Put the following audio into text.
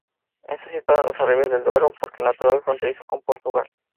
Está situado en Las Arribes del Duero, parque natural fronterizo con Portugal.